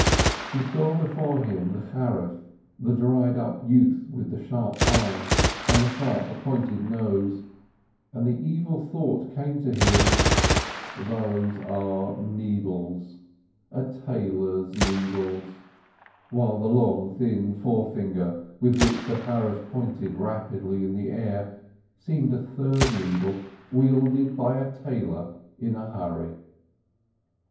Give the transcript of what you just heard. He saw before him the Charif, the dried up youth with the sharp eyes and the sharp, pointed nose, and the evil thought came to him, "Those are needles, a tailor's needles," while the long, thin forefinger with which the Charif pointed rapidly in the air seemed a third needle wielded by a tailor in a hurry.